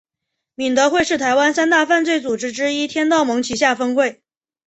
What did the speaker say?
敏德会是台湾三大犯罪组织之一天道盟旗下分会。